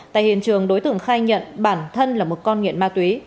tại hiện trường đối tượng khai nhận bản thân là một con nghiện ma túy